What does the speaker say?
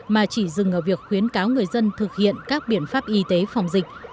mà chỉ dừng ở việc khuyến cáo người dân thực hiện các biện pháp y tế phòng dịch